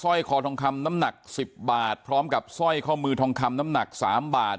ร้อยคอทองคำน้ำหนัก๑๐บาทพร้อมกับสร้อยข้อมือทองคำน้ำหนัก๓บาท